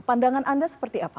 pandangan anda seperti apa